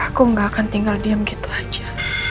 aku gak akan tinggal diam gitu aja